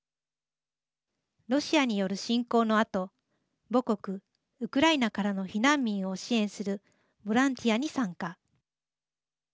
ロシアによる侵攻のあと母国ウクライナからの避難民を支援するボランティアに参加。